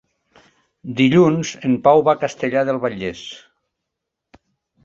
Dilluns en Pau va a Castellar del Vallès.